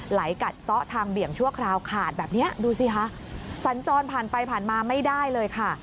ไหลกัดซ้อทางเบี่ยงชั่วคราวขาดแบบเนี้ยดูสิคะสัญจรผ่านไปผ่านมาไม่ได้เลยค่ะ